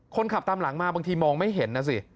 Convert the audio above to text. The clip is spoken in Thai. คนขับตามหลังมาบางทีมองไม่เห็นนะสิ